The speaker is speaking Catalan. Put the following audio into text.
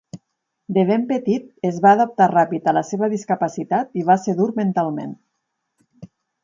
De ben petit, es va adaptar ràpid a la seva discapacitat, i va ser dur mentalment.